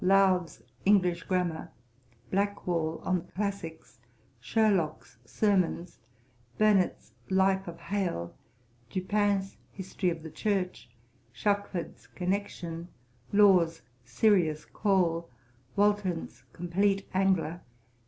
Lowth's English Grammar. Blackwall on the Classicks. Sherlock's Sermons. Burnet's Life of Hale. Dupin's History of the Church. Shuckford's Connection. Law's Serious Call. Walton's Complete Angler.